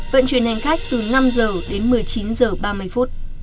vận chuyển hành khách từ năm h đến một mươi chín h ba mươi